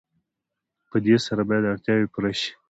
په دې سره باید اړتیاوې پوره شي.